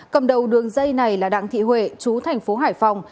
cầm đầu đường dây này là đặng thị huệ chú thành phố hải phòng